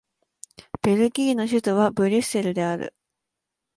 ベルギーの首都はブリュッセルである